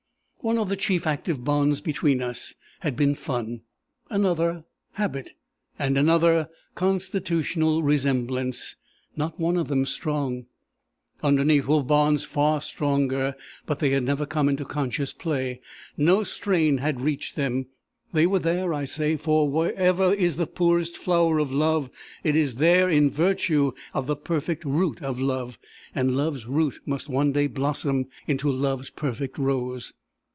One of the chief active bonds between us had been fun; another, habit; and another, constitutional resemblance not one of them strong. Underneath were bonds far stronger, but they had never come into conscious play; no strain had reached them. They were there, I say; for wherever is the poorest flower of love, it is there in virtue of the perfect root of love; and love's root must one day blossom into love's perfect rose.